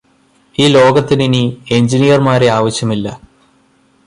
ഈ ലോകത്തിന് ഇനി എഞ്ചിനീയര്മാരെ ആവശ്യമില്ല